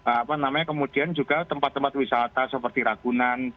apa namanya kemudian juga tempat tempat wisata seperti ragunan